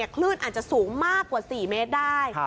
คลื่นอาจจะสูงมากกว่า๔เมตรได้